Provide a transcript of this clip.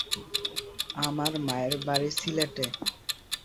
আমার মায়ের বাড়ি সিলেটে।